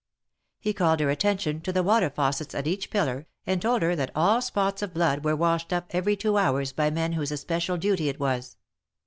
He called her attention to the water faucets at each pillar, and told her that all spots of blood were washed up every two hours by men whose especial duty it was.